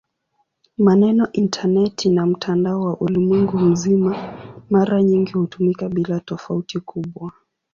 Maneno "intaneti" na "mtandao wa ulimwengu mzima" mara nyingi hutumika bila tofauti kubwa.